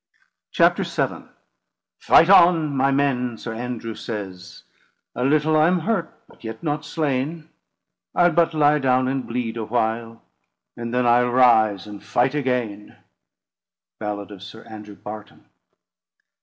CHAPTER VII "Fight on, my men, Sir Andrew sayes, A little I am hurt, but yett not slaine; I'le but lye downe and bleede awhile, And then I'le rise and fight againe." BALLAD of Sir Andrew Barton.